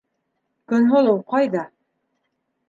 Көнһылыу ҡайҙа?